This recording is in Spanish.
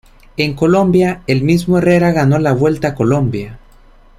En Colombia, el mismo Herrera ganó la Vuelta a Colombia.